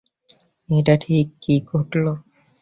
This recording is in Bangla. এটা ঠিক কী ঘটল?